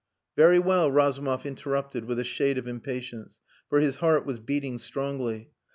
"Very well," Razumov interrupted, with a shade of impatience, for his heart was beating strongly.